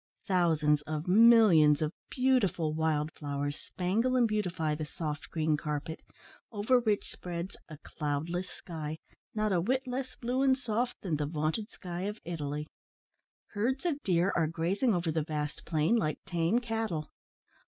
Thousands of millions of beautiful wild flowers spangle and beautify the soft green carpet, over which spreads a cloudless sky, not a whit less blue and soft than the vaunted sky of Italy. Herds of deer are grazing over the vast plain, like tame cattle.